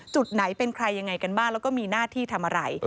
จุดไหนเป็นใครยังไงกันบ้างแล้วก็มีหน้าที่ทำอะไร